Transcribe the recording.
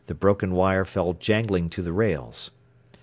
The broken wire fell jangling to the rails.